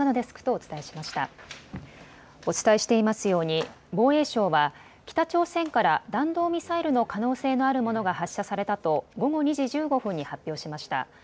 お伝えしていますように防衛省は北朝鮮から弾道ミサイルの可能性のあるものが発射されたと午後２時１５分に発表しました。